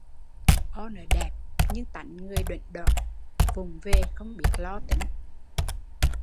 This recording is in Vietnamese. O nớ đẹp nhưng tánh người đuểnh đoảng, vụng về không biết lo tính